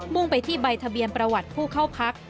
่งไปที่ใบทะเบียนประวัติผู้เข้าพัก